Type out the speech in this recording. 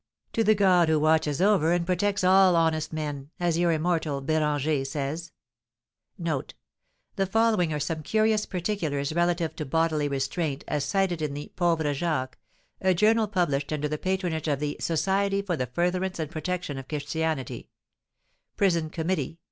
"'To the God who watches over and protects all honest men,' as your immortal Béranger says." NOTE. The following are some curious particulars relative to bodily restraint, as cited in the "Pauvre Jacques," a journal published under the patronage of the "Society for the Furtherance and Protection of Christianity:" (Prison Committee.)